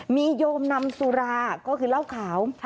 มีโยมนำสุราก็คือเหล้าขาว